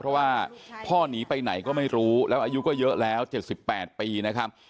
เพราะว่าพ่อหนีไปไหนก็ไม่รู้แล้วอายุก็เยอะแล้ว๗๘ปีนะครับ